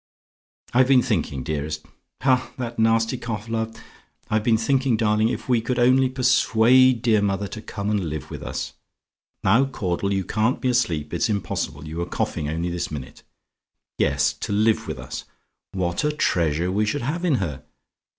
"I've been thinking, dearest ha! that nasty cough, love! I've been thinking, darling, if we could only persuade dear mother to come and live with us. Now, Caudle, you can't be asleep; it's impossible you were coughing only this minute yes, to live with us. What a treasure we should have in her!